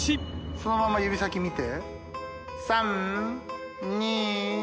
そのまま指先見て。